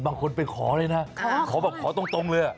บางคนไปขอเลยนะขอตรงเลย